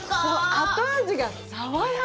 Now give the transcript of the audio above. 後味が爽やか。